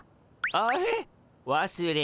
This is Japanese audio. あれ？